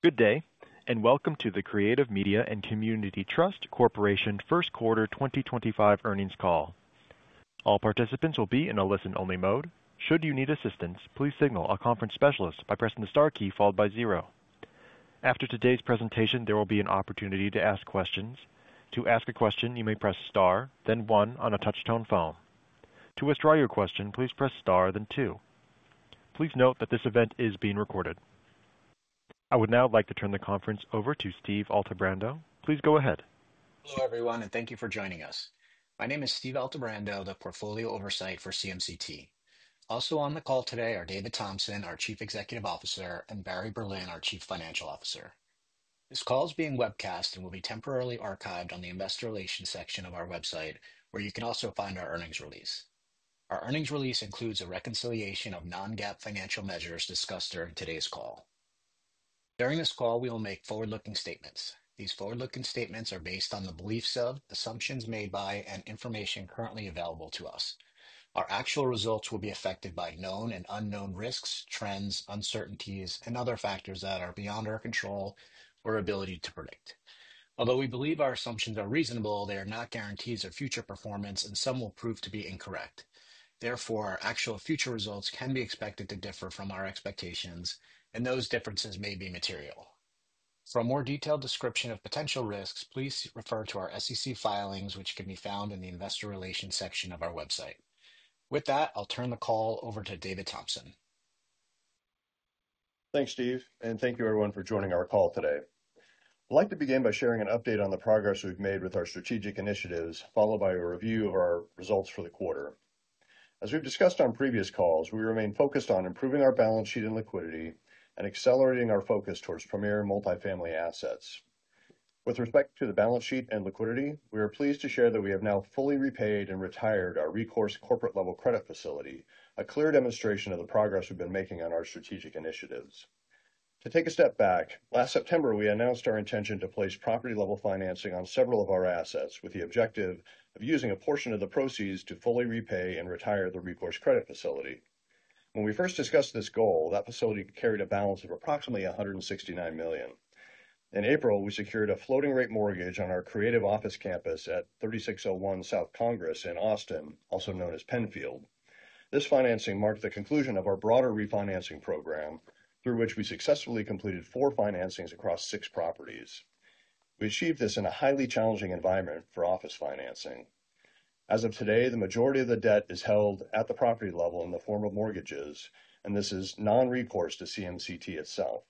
Good day, and welcome to the Creative Media & Community Trust Corporation first quarter 2025 earnings call. All participants will be in a listen-only mode. Should you need assistance, please signal a conference specialist by pressing the star key followed by zero. After today's presentation, there will be an opportunity to ask questions. To ask a question, you may press star, then one on a touch-tone phone. To withdraw your question, please press star, then two. Please note that this event is being recorded. I would now like to turn the conference over to Steve Altebrando. Please go ahead. Hello everyone, and thank you for joining us. My name is Steve Altebrando, the portfolio oversight for CMCT. Also on the call today are David Thompson, our Chief Executive Officer, and Barry Berlin, our Chief Financial Officer. This call is being webcast and will be temporarily archived on the investor relations section of our website, where you can also find our earnings release. Our earnings release includes a reconciliation of non-GAAP financial measures discussed during today's call. During this call, we will make forward-looking statements. These forward-looking statements are based on the beliefs of, assumptions made by, and information currently available to us. Our actual results will be affected by known and unknown risks, trends, uncertainties, and other factors that are beyond our control or ability to predict. Although we believe our assumptions are reasonable, they are not guarantees of future performance, and some will prove to be incorrect. Therefore, our actual future results can be expected to differ from our expectations, and those differences may be material. For a more detailed description of potential risks, please refer to our SEC filings, which can be found in the investor relations section of our website. With that, I'll turn the call over to David Thompson. Thanks, Steve, and thank you everyone for joining our call today. I'd like to begin by sharing an update on the progress we've made with our strategic initiatives, followed by a review of our results for the quarter. As we've discussed on previous calls, we remain focused on improving our balance sheet and liquidity and accelerating our focus towards premier multifamily assets. With respect to the balance sheet and liquidity, we are pleased to share that we have now fully repaid and retired our recourse corporate-level credit facility, a clear demonstration of the progress we've been making on our strategic initiatives. To take a step back, last September, we announced our intention to place property-level financing on several of our assets with the objective of using a portion of the proceeds to fully repay and retire the recourse credit facility. When we first discussed this goal, that facility carried a balance of approximately $169 million. In April, we secured a floating-rate mortgage on our Creative Office campus at 3601 South Congress in Austin, also known as Penfield. This financing marked the conclusion of our broader refinancing program, through which we successfully completed four financings across six properties. We achieved this in a highly challenging environment for office financing. As of today, the majority of the debt is held at the property level in the form of mortgages, and this is non-recourse to CMCT itself.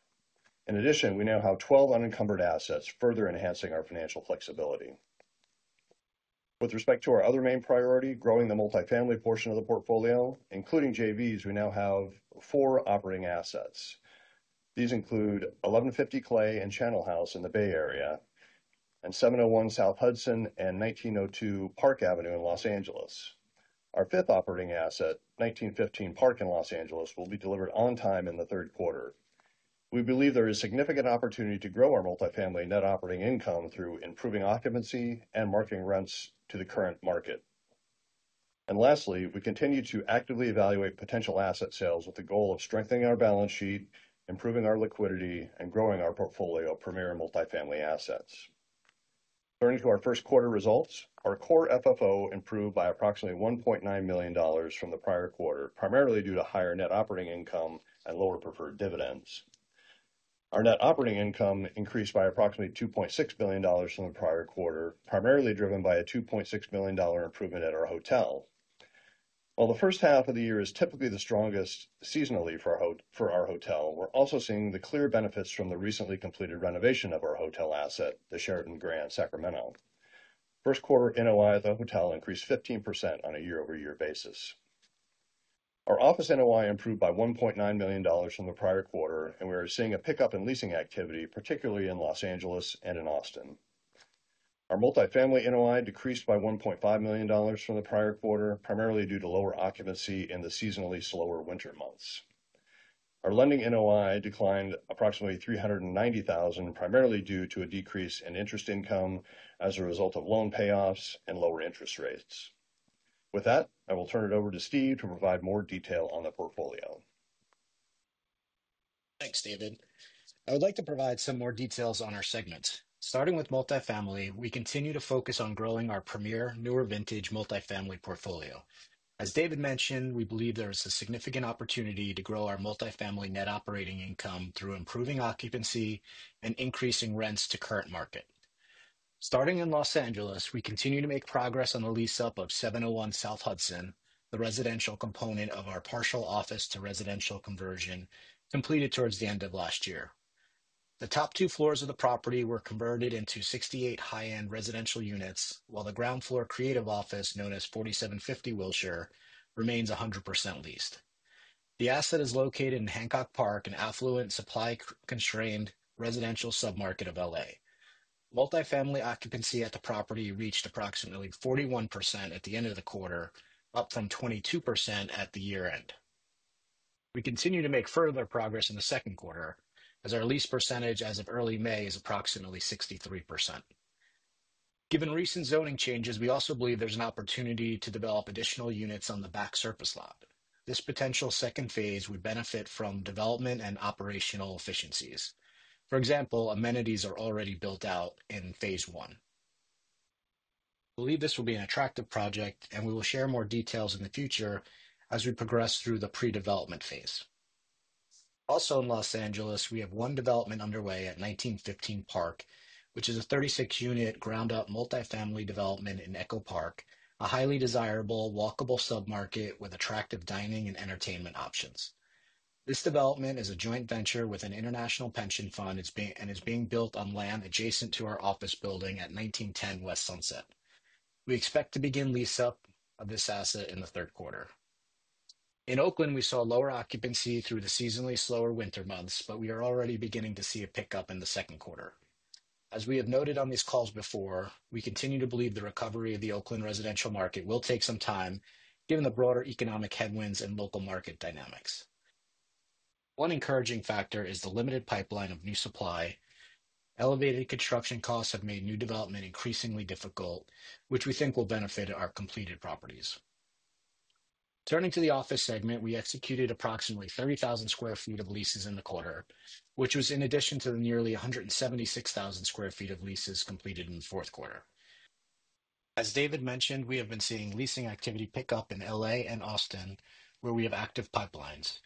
In addition, we now have 12 unencumbered assets, further enhancing our financial flexibility. With respect to our other main priority, growing the multifamily portion of the portfolio, including JVs, we now have four operating assets. These include 1150 Clay and Channel House in the Bay Area, and 701 South Hudson and 1902 Park Avenue in Los Angeles. Our fifth operating asset, 1915 Park in Los Angeles, will be delivered on time in the third quarter. We believe there is significant opportunity to grow our multifamily net operating income through improving occupancy and marketing rents to the current market. Lastly, we continue to actively evaluate potential asset sales with the goal of strengthening our balance sheet, improving our liquidity, and growing our portfolio of premier multifamily assets. Turning to our first quarter results, our core FFO improved by approximately $1.9 million from the prior quarter, primarily due to higher net operating income and lower preferred dividends. Our net operating income increased by approximately $2.6 million from the prior quarter, primarily driven by a $2.6 million improvement at our hotel. While the first half of the year is typically the strongest seasonally for our hotel, we're also seeing the clear benefits from the recently completed renovation of our hotel asset, the Sheridan Grand Sacramento. First quarter NOI of the hotel increased 15% on a year-over-year basis. Our office NOI improved by $1.9 million from the prior quarter, and we are seeing a pickup in leasing activity, particularly in Los Angeles and in Austin. Our multifamily NOI decreased by $1.5 million from the prior quarter, primarily due to lower occupancy in the seasonally slower winter months. Our lending NOI declined approximately $390,000, primarily due to a decrease in interest income as a result of loan payoffs and lower interest rates. With that, I will turn it over to Steve to provide more detail on the portfolio. Thanks, David. I would like to provide some more details on our segments. Starting with multifamily, we continue to focus on growing our premier newer vintage multifamily portfolio. As David mentioned, we believe there is a significant opportunity to grow our multifamily net operating income through improving occupancy and increasing rents to current market. Starting in Los Angeles, we continue to make progress on the lease-up of 701 South Hudson, the residential component of our partial office to residential conversion, completed towards the end of last year. The top two floors of the property were converted into 68 high-end residential units, while the ground floor creative office, known as 4750 Wilshire, remains 100% leased. The asset is located in Hancock Park, an affluent, supply-constrained residential submarket of LA. Multifamily occupancy at the property reached approximately 41% at the end of the quarter, up from 22% at the year-end. We continue to make further progress in the second quarter, as our lease percentage as of early May is approximately 63%. Given recent zoning changes, we also believe there's an opportunity to develop additional units on the back surface lot. This potential second phase would benefit from development and operational efficiencies. For example, amenities are already built out in phase one. We believe this will be an attractive project, and we will share more details in the future as we progress through the pre-development phase. Also, in Los Angeles, we have one development underway at 1915 Park, which is a 36-unit ground-up multifamily development in Echo Park, a highly desirable, walkable submarket with attractive dining and entertainment options. This development is a joint venture with an international pension fund and is being built on land adjacent to our office building at 1910 West Sunset. We expect to begin lease-up of this asset in the third quarter. In Oakland, we saw lower occupancy through the seasonally slower winter months, but we are already beginning to see a pickup in the second quarter. As we have noted on these calls before, we continue to believe the recovery of the Oakland residential market will take some time, given the broader economic headwinds and local market dynamics. One encouraging factor is the limited pipeline of new supply. Elevated construction costs have made new development increasingly difficult, which we think will benefit our completed properties. Turning to the office segment, we executed approximately 30,000 sq ft of leases in the quarter, which was in addition to the nearly 176,000 sq ft of leases completed in the fourth quarter. As David mentioned, we have been seeing leasing activity pick up in LA and Austin, where we have active pipelines.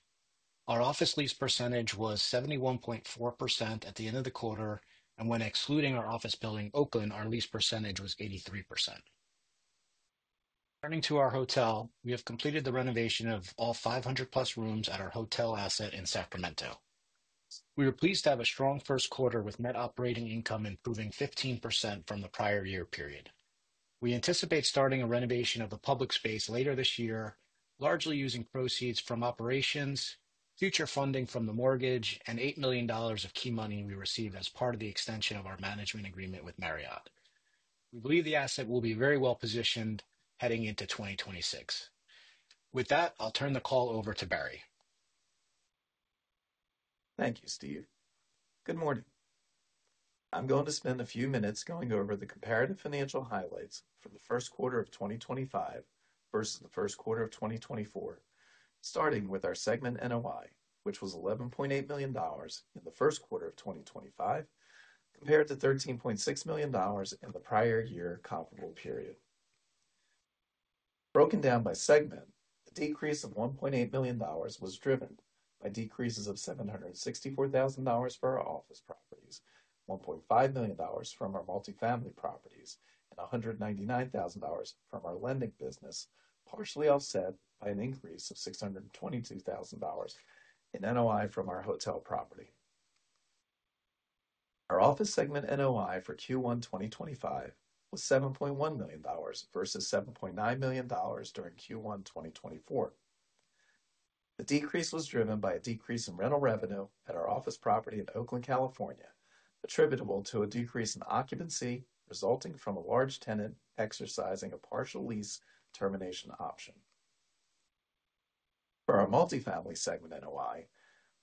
Our office lease percentage was 71.4% at the end of the quarter, and when excluding our office building Oakland, our lease percentage was 83%. Turning to our hotel, we have completed the renovation of all 500-plus rooms at our hotel asset in Sacramento. We are pleased to have a strong first quarter with net operating income improving 15% from the prior year period. We anticipate starting a renovation of the public space later this year, largely using proceeds from operations, future funding from the mortgage, and $8 million of key money we received as part of the extension of our management agreement with Marriott. We believe the asset will be very well positioned heading into 2026. With that, I'll turn the call over to Barry. Thank you, Steve. Good morning. I'm going to spend a few minutes going over the comparative financial highlights for the first quarter of 2025 versus the first quarter of 2024, starting with our segment NOI, which was $11.8 million in the first quarter of 2025, compared to $13.6 million in the prior year comparable period. Broken down by segment, the decrease of $1.8 million was driven by decreases of $764,000 for our office properties, $1.5 million from our multifamily properties, and $199,000 from our lending business, partially offset by an increase of $622,000 in NOI from our hotel property. Our office segment NOI for Q1 2025 was $7.1 million versus $7.9 million during Q1 2024. The decrease was driven by a decrease in rental revenue at our office property in Oakland, California, attributable to a decrease in occupancy resulting from a large tenant exercising a partial lease termination option. For our multifamily segment NOI,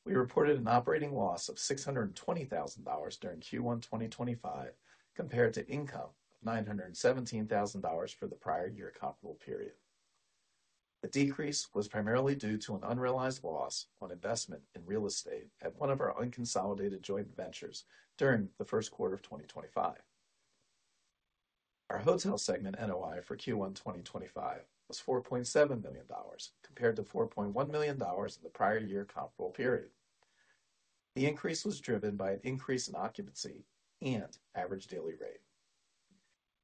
we reported an operating loss of $620,000 during Q1 2025, compared to income of $917,000 for the prior year comparable period. The decrease was primarily due to an unrealized loss on investment in real estate at one of our unconsolidated joint ventures during the first quarter of 2025. Our hotel segment NOI for Q1 2025 was $4.7 million, compared to $4.1 million in the prior year comparable period. The increase was driven by an increase in occupancy and average daily rate.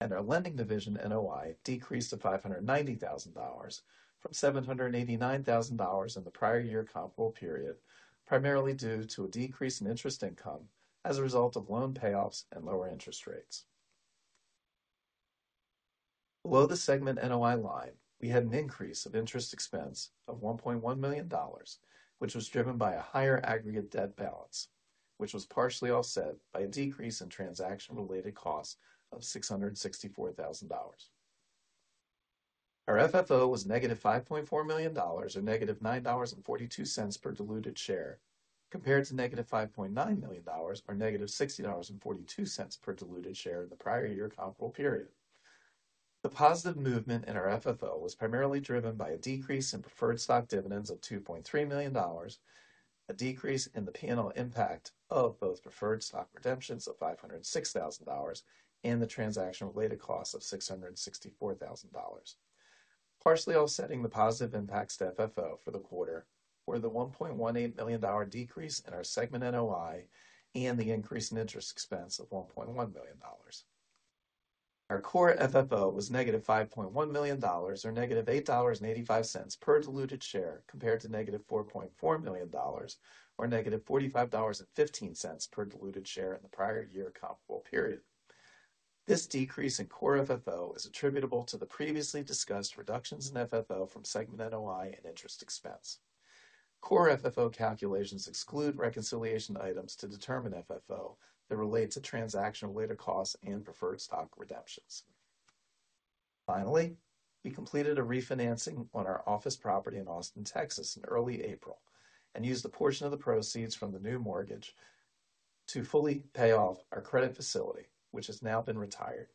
Our lending division NOI decreased to $590,000 from $789,000 in the prior year comparable period, primarily due to a decrease in interest income as a result of loan payoffs and lower interest rates. Below the segment NOI line, we had an increase of interest expense of $1.1 million, which was driven by a higher aggregate debt balance, which was partially offset by a decrease in transaction-related costs of $664,000. Our FFO was negative $5.4 million or negative $9.42 per diluted share, compared to negative $5.9 million or negative $60.42 per diluted share in the prior year comparable period. The positive movement in our FFO was primarily driven by a decrease in preferred stock dividends of $2.3 million, a decrease in the P&L impact of both preferred stock redemptions of $506,000 and the transaction-related costs of $664,000. Partially offsetting the positive impacts to FFO for the quarter were the $1.18 million decrease in our segment NOI and the increase in interest expense of $1.1 million. Our core FFO was negative $5.1 million or negative $8.85 per diluted share, compared to negative $4.4 million or negative $45.15 per diluted share in the prior year comparable period. This decrease in core FFO is attributable to the previously discussed reductions in FFO from segment NOI and interest expense. Core FFO calculations exclude reconciliation items to determine FFO that relate to transaction-related costs and preferred stock redemptions. Finally, we completed a refinancing on our office property in Austin, Texas, in early April, and used a portion of the proceeds from the new mortgage to fully pay off our credit facility, which has now been retired.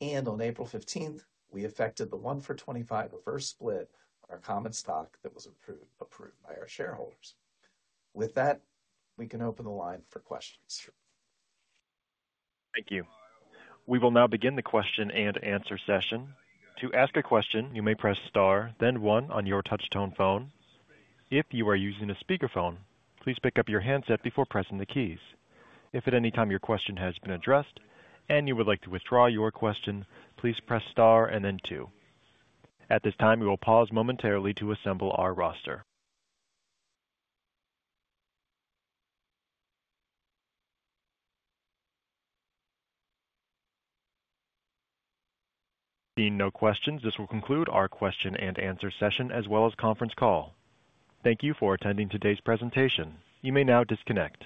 On April 15th, we effected the 1 for 25 reverse split on our common stock that was approved by our shareholders. With that, we can open the line for questions. Thank you. We will now begin the question and answer session. To ask a question, you may press star, then one on your touch-tone phone. If you are using a speakerphone, please pick up your handset before pressing the keys. If at any time your question has been addressed and you would like to withdraw your question, please press star and then two. At this time, we will pause momentarily to assemble our roster. Seeing no questions, this will conclude our question and answer session as well as conference call. Thank you for attending today's presentation. You may now disconnect.